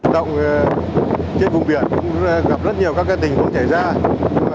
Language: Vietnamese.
trên vùng biển cũng gặp rất nhiều các tình huống trải ra